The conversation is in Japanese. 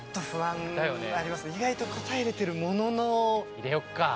入れようか。